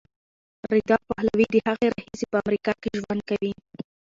رضا پهلوي له هغې راهیسې په امریکا کې ژوند کوي.